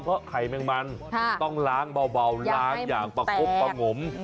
เพราะไข่แมงมันต้องล้างเบาล้างอย่างประคบประงม